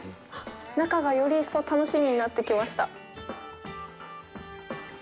中がより一層楽しみになってきました。